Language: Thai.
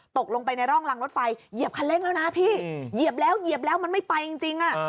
ตกลงไปในร่องรังรถไฟเหยียบคันเล็กแล้วนะพี่เหยียบแล้วมันไม่ไปจริง